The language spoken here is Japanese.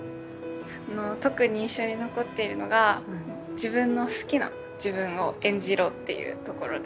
特に印象に残っているのが自分の好きな自分を演じろっていうところで。